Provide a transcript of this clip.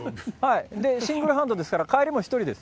で、シングルハンドですから、帰りも１人です。